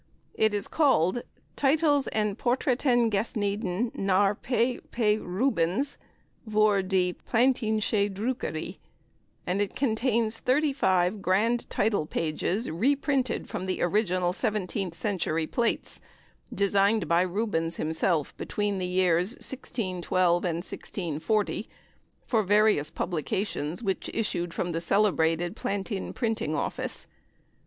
It is called "Titels en Portretten gesneden naar P. P. Rubens voor de Plantijnsche Drukkerij," and it contains thirty five grand title pages, reprinted from the original seventeenth century plates, designed by Rubens himself between the years 1612 and 1640, for various publications which issued from the celebrated Plantin Printing Office.